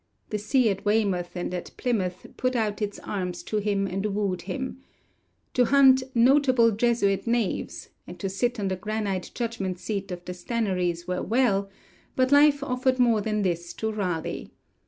The sea at Weymouth and at Plymouth put out its arms to him and wooed him. To hunt 'notable Jesuit knaves' and to sit on the granite judgment seat of the Stannaries were well, but life offered more than this to Raleigh.